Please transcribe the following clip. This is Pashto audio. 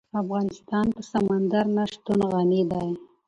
افغانستان په سمندر نه شتون غني دی.